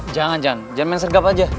jangan jangan jangan main segerap aja